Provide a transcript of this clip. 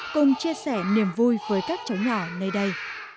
cùng chia sẻ niềm vui với các cháu nhỏ nơi đây